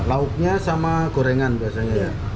lahuknya sama gorengan biasanya